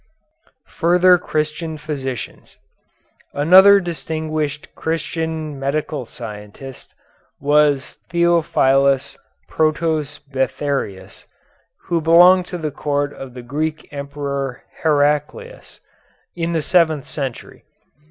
FURTHER CHRISTIAN PHYSICIANS Another distinguished Christian medical scientist was Theophilus Protosbatharius, who belonged to the court of the Greek Emperor Heraclius, in the seventh century.